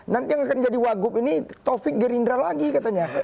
nanti yang akan jadi wagub ini taufik gerindra lagi katanya